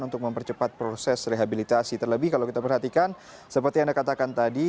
untuk mempercepat proses rehabilitasi terlebih kalau kita perhatikan seperti anda katakan tadi